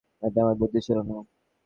এটা আমার বুদ্ধি ছিল না।